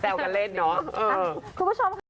แจวกันเล่นเนอะ